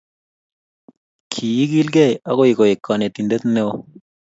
Ki igilgei agoi koek kanetindet neo